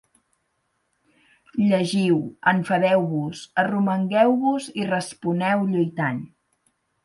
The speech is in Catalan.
Llegiu, enfadeu-vos, arromangueu-vos i responeu lluitant.